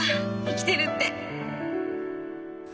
生きてるって！